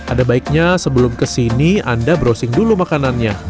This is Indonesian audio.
ada baiknya sebelum kesini anda browsing dulu makanannya